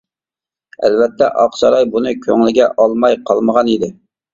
ئەلۋەتتە، ئاقساراي بۇنى كۆڭلىگە ئالماي قالمىغان ئىدى.